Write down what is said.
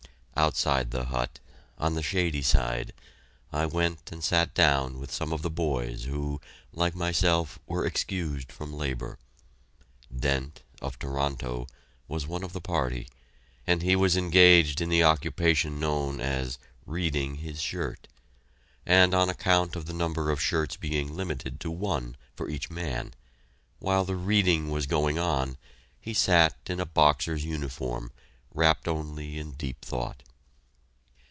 Outside the hut, on the shady side, I went and sat down with some of the boys who, like myself, were excused from labor. Dent, of Toronto, was one of the party, and he was engaged in the occupation known as "reading his shirt" and on account of the number of shirts being limited to one for each man, while the "reading" was going on, he sat in a boxer's uniform, wrapped only in deep thought.